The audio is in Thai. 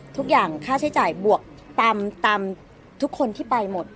ทุกอย่างค่าใช้จ่ายบวกตามทุกคนที่ไปหมด